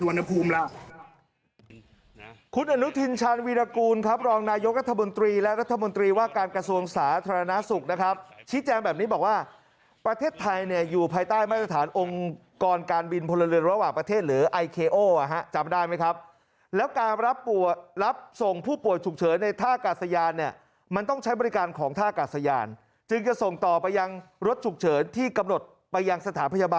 หรือคลินิกภาครัฐอยู่ในสวรรณภูมิเรา